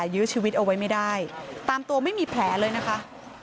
ยื้อชีวิตเอาไว้ไม่ได้ตามตัวไม่มีแผลเลยนะคะ